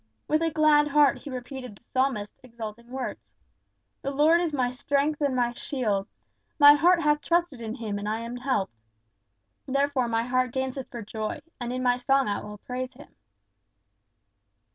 With a glad heart he repeated the Psalmist's exulting words: "The Lord is my strength and my shield; my heart hath trusted in him and I am helped; therefore my heart danceth for joy, and in my song will I praise him."